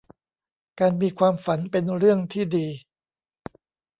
การมีความฝันเป็นเรื่องที่ดี